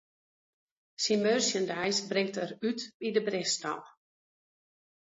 Syn merchandise bringt er út by de Bristol.